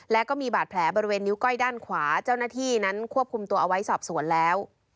และก็มีบาดแผลบริเวณนิ้วก้อยด้านขวาเจ้าหน้าที่นั้นควบคุมตัวเอาไว้สอบสวนแล้ว